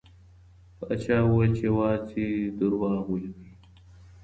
پاچا وویل چي یوازې دروغ ولیکئ.